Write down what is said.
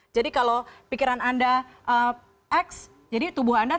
jadi kalau pikiran anda x jadi tubuh anda t